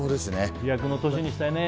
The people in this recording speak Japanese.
飛躍の年にしたいね。